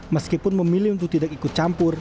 meskipun memilih untuk tidak ikut campur